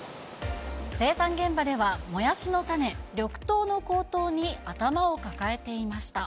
生産現場では、もやしの種、緑豆の高騰に頭を抱えていました。